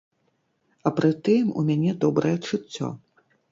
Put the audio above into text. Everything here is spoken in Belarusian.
А пры тым у мяне добрае чуццё.